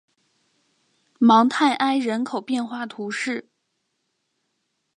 芒泰埃人口变化图示